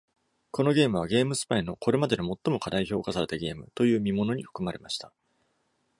このゲームは GameSpy の「これまでで最も過大評価されたゲーム」という見ものに含まれました。